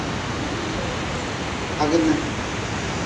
Hagni.